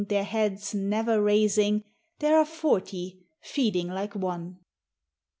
Their heads never raising; There are forty feeding like one!